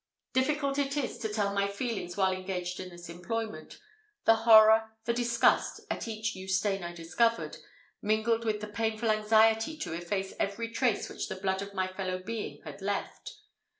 Difficult is it to tell my feelings while engaged in this employment the horror, the disgust, at each new stain I discovered, mingled with the painful anxiety to efface every trace which the blood of my fellow being had left.